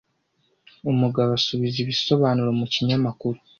Umugabo asubiza ibisobanuro mu kinyamakuru.